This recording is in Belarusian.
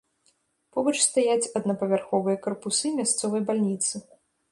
Побач стаяць аднапавярховыя карпусы мясцовай бальніцы.